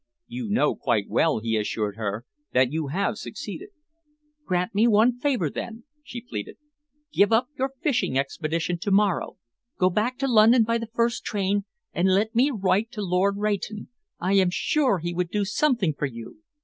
"You know quite well," he assured her, "that you have succeeded." "Grant me one favour, then," she pleaded. "Give up your fishing expedition to morrow, go back to London by the first train and let me write to Lord Rayton. I am sure he would do something for you."